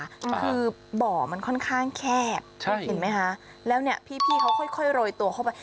คือบ่อมันค่อนข้างแคบเห็นไหมคะแล้วเนี่ยพี่พี่เขาค่อยค่อยโรยตัวเข้าไป